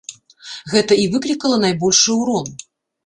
Гэта і выклікала найбольшы ўрон.